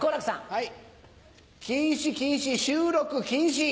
はい。